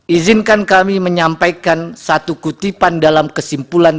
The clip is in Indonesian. izinkan kami menyampaikan satu kutipan dalam kesimpulan